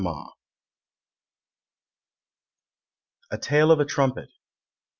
] A TALE OF A TRUMPET.